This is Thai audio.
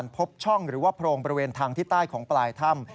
พบช่องหรือว่าโพรงบริเวณทางที่ใต้ของปลายถ้ำ